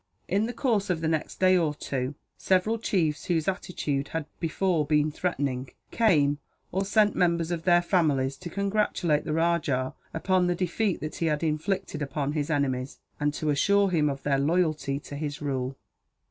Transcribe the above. In the course of the next day or two several chiefs, whose attitude had before been threatening, came or sent members of their families to congratulate the rajah upon the defeat that he had inflicted upon his enemies, and to assure him of their loyalty to his rule.